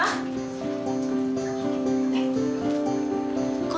aduh aku udah bangun